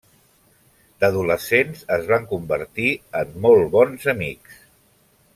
D'adolescents es van convertir en molt bons amics.